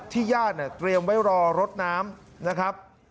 ญาติเนี่ยเตรียมไว้รอรถน้ำนะครับ